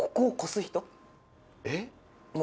えっ？